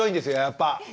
やっぱ。